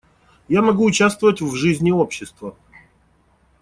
Я могу участвовать в жизни общества.